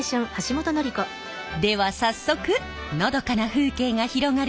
では早速のどかな風景が広がる